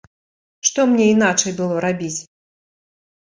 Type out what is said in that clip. Што мне іначай было рабіць!